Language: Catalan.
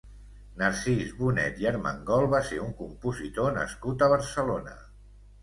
Narcís Bonet i Armengol va ser un compositor nascut a Barcelona.